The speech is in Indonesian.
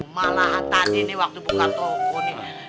malahan tadi nih waktu buka toko nih